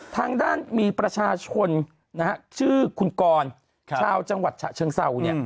ทางด้านมีประชาชนชื่อคุณกรชาวจังหวัดฉะเชิงเศร้าเนี่ย